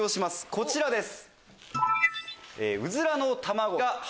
こちらです。